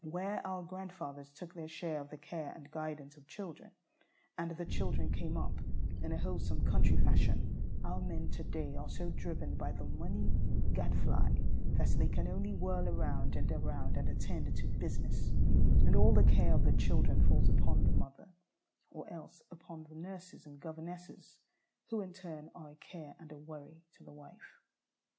Where our grandfathers took their share of the care and guidance of children, and the children came up in a wholesome country fashion, our men to day are so driven by the money gadfly that they can only whirl around and around and attend "to business," and all the care of the children falls upon the mother, or else upon the nurses and governesses, who in turn are a care and a worry to the wife.